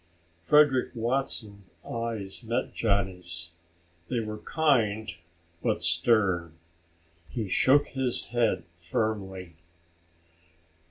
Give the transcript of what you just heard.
Frederick Watson's eyes met Johnny's. They were kind but stern. He shook his head firmly.